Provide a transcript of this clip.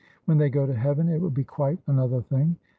When they go to heaven, it will be quite another thing.